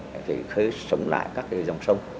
để sống lại các dòng sông